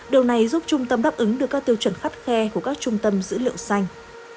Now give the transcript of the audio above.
điều này giúp trung tâm đáp ứng được các tiêu chuẩn khắt khe của các trung tâm dữ liệu xanh